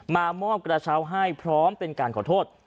มามอบกระเช้าให้พร้อมเป็นการขอโทษ